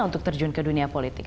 untuk terjun ke dunia politik